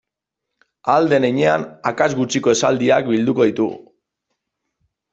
Ahal den heinean akats gutxiko esaldiak bilduko ditugu.